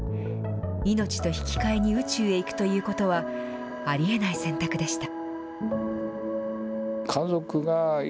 命と引き換えに宇宙へ行くということは、ありえない選択でした。